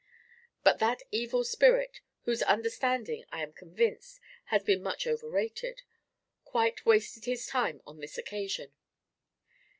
But that evil spirit, whose understanding, I am convinced, has been much overrated, quite wasted his time on this occasion.